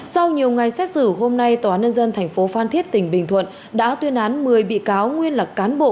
sau nhiều ngày xét xử hôm nay tòa nân dân tp phan thiết tỉnh bình thuận đã tuyên án một mươi bị cáo nguyên lập cán bộ